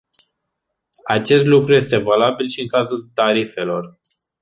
Acest lucru este valabil și în cazul tarifelor.